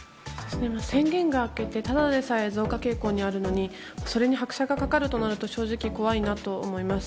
宣言が明けてただでさえ増加傾向にあるのにそれに拍車がかかるとなると正直怖いなと思います。